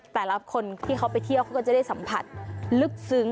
แต่ละคนที่เขาไปเที่ยวเขาก็จะได้สัมผัสลึกซึ้ง